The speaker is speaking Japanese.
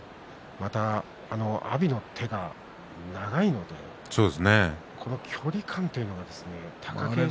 また阿炎の手が長いので距離感というのはですね。